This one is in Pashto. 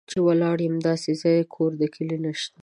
چې ولاړ یم داسې ځای، کور د کلي نه شته